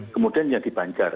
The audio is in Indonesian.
kemudian yang di banjar